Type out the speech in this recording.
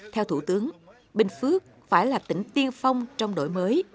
theo thủ tướng bình phước phải là tỉnh tiên phong trong đổi mới